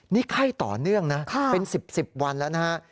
นี่ไข้ต่อเนื่องนะเป็น๑๐๑๐วันแล้วนะฮะ